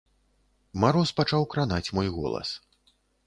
Мароз пачаў кранаць мой голас.